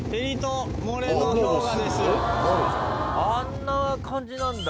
「あんな感じなんだ。